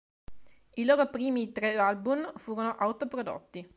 I loro primi tre album furono autoprodotti.